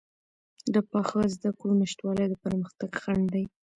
د پاخه زده کړو نشتوالی د پرمختګ خنډ دی.